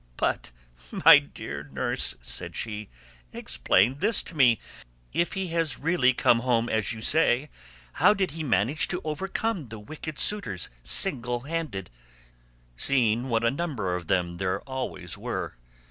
"But my dear nurse," said she, "explain this to me; if he has really come home as you say, how did he manage to overcome the wicked suitors single handed, seeing what a number of them there always were?"